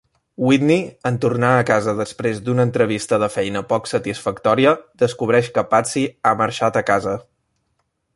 Whitney, en tornar a casa després d'una entrevista de feina poc satisfactòria, descobreix que Patsy ha marxat a casa.